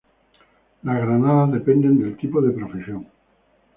Las granadas dependen del tipo de profesión.